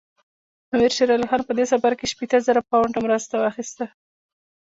امیر شېر علي خان په دې سفر کې شپېته زره پونډه مرسته واخیسته.